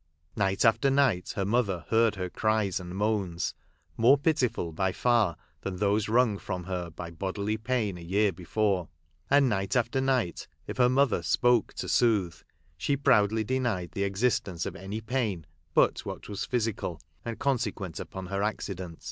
Night after night, her mother heard her cries and moans — more pitiful, by far, than those wrung from her by bodily pajn a year before ; and, night after night, if her mother spoke to soothe, she proudly denied the exist ence of any pain but what was physical, and consequent upon her accident.